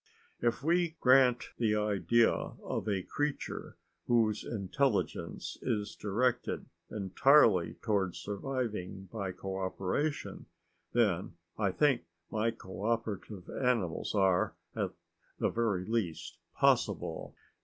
If we grant the idea of a creature whose intelligence is directed entirely toward surviving by cooperation, then I think my cooperative animals are, at the very least, possible.